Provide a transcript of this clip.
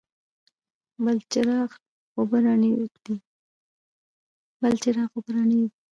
بلچراغ اوبه رڼې دي؟